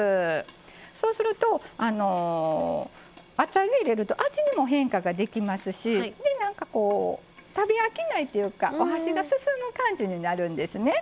そうすると、厚揚げを入れると味にも変化ができますし食べ飽きないというかお箸が進む感じになるんですね。